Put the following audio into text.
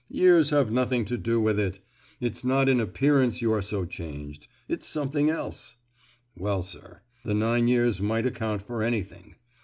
years have nothing to do with it! it's not in appearance you are so changed: it's something else!" "Well, sir, the nine years might account for anything."